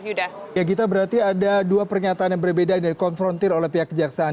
ya gita berarti ada dua pernyataan yang berbeda yang dikonfrontir oleh pihak kejaksaan